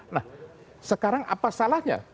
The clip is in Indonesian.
nah sekarang apa salahnya